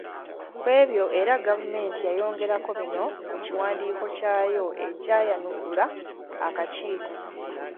Ku ebyo era gavumenti yayongerako bino mu kiwandiiko kyayo ekyayanukula akakiiko.